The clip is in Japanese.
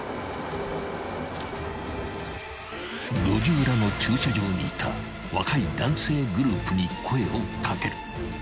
［路地裏の駐車場にいた若い男性グループに声を掛ける］